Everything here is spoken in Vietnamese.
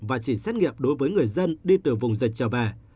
và chỉ xét nghiệm đối với người dân đi từ vùng dịch trở về